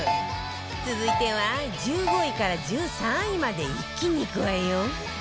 続いては１５位から１３位まで一気にいくわよ